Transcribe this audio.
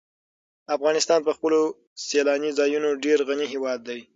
افغانستان په خپلو سیلاني ځایونو ډېر غني هېواد دی.